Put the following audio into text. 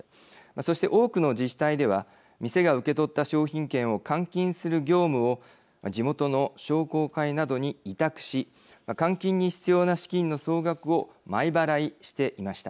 そして多くの自治体では店が受け取った商品券を換金する業務を地元の商工会などに委託し換金に必要な資金の総額を前払いしていました。